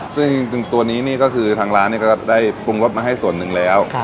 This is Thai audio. ซึ่งตัวนี้นี่ก็คือทางร้านก็ได้ปรุงรสมาให้ส่วนหนึ่งแล้ว